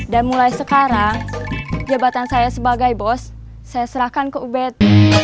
dan mulai sekarang jabatan saya sebagai bos saya serahkan ke ubed